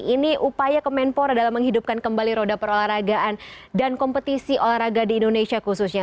ini upaya kemenpora dalam menghidupkan kembali roda perolahragaan dan kompetisi olahraga di indonesia khususnya